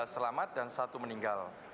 delapan belas selamat dan satu meninggal